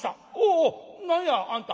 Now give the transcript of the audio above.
お何やあんた。